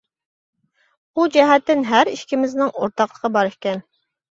بۇ جەھەتتىن ھەر ئىككىمىزنىڭ ئورتاقلىقى بار ئىكەن.